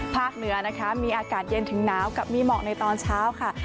ภาคเหนือมีอากาศเย็นถึงหนาวกับมีเหมาะในตอนเช้า